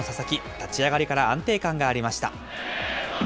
立ち上がりから安定感がありました。